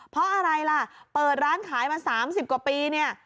เพราะอะไรล่ะเปิดร้านขายมา๓๐กว่าปีเนี่ย